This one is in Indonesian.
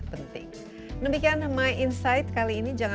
terima kasih banyak